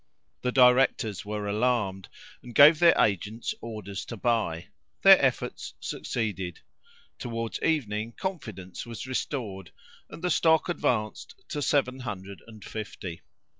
The directors were alarmed, and gave their agents orders to buy. Their efforts succeeded. Towards evening, confidence was restored, and the stock advanced to seven hundred and fifty.